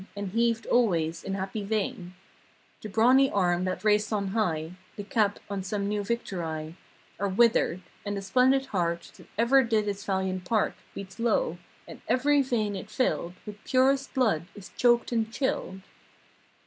And heaved always in happy vein; The brawny arm that raised on high The cap on some new victory Are withered. And the splendid heart That ever did its valiant part Beats low. And every vein it filled With purest blood is choked and chilled.